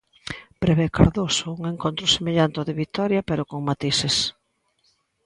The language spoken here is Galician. Prevé Cardoso un encontro semellante ao de Vitoria pero con matices.